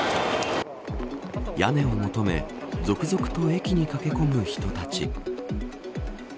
屋根を求め続々と駅に駆け込む人たち。